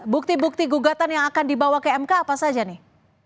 bukti bukti gugatan yang akan dibawa ke mk apa saja nih